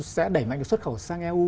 sẽ đẩy mạnh được suất khẩu sang eu